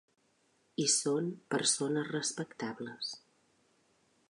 I són persones respectables.